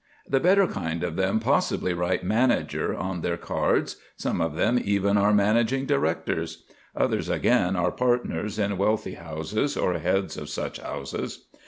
The better kind of them possibly write "manager" on their cards; some of them even are managing directors; others, again, are partners in wealthy houses or heads of such houses.